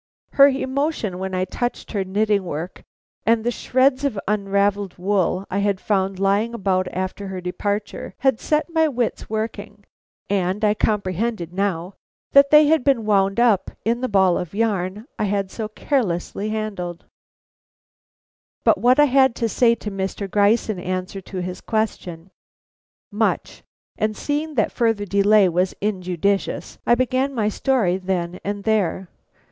Her emotion when I touched her knitting work and the shreds of unravelled wool I had found lying about after her departure, had set my wits working, and I comprehended now that they had been wound up in the ball of yarn I had so carelessly handled. But what had I to say to Mr. Gryce in answer to his question. Much; and seeing that further delay was injudicious, I began my story then and there.